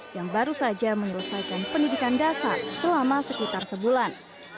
yang baru saja menyelesaikan pendidikan dasar selama sekitar sebulan